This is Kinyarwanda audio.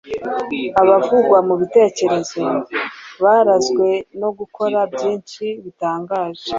Abavugwa mu bitekerezo baranzwe no gukora byinshi bitangaje,